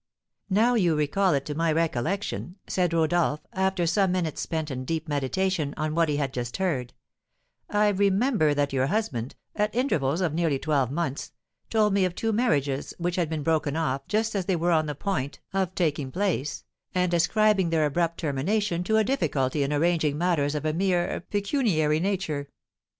"Now you recall it to my recollection," said Rodolph, after some minutes spent in deep meditation on what he had just heard, "I remember that your husband, at intervals of nearly twelve months, told me of two marriages which had been broken off just as they were on the point of taking place, and ascribing their abrupt termination to a difficulty in arranging matters of a mere pecuniary nature."